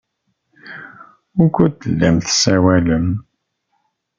Wukud tellam tessawalem?